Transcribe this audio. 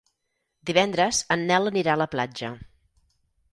Divendres en Nel anirà a la platja.